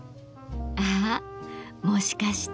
あもしかして。